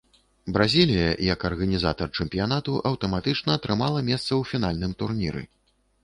Бразілія як арганізатар чэмпіянату аўтаматычна атрымала месца ў фінальным турніры.